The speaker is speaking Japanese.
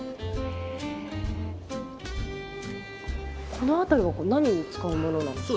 この辺りは何に使うものなんですか？